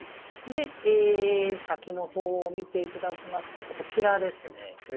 で先の方を見て頂きますとこちらですね。